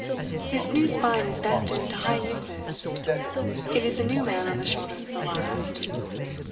This new spine is destined to high uses. It is a new man on the shoulders of the last.